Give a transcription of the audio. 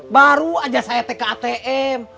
baru aja saya tek ke atm